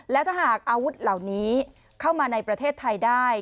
และถ้าหากอาวุธเหล่านี้เข้ามาในประเทศไทยได้